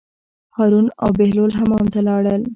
هارون او بهلول حمام ته لاړل.